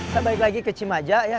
saya balik lagi ke cimaja ya